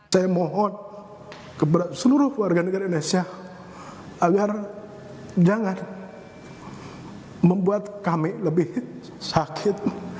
saya mohon kepada seluruh warga negara indonesia agar jangan membuat kami lebih sakit